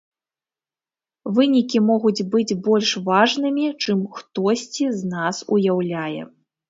Вынікі могуць быць больш важнымі, чым хтосьці з нас уяўляе.